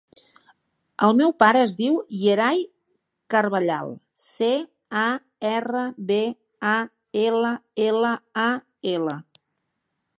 El meu pare es diu Yeray Carballal: ce, a, erra, be, a, ela, ela, a, ela.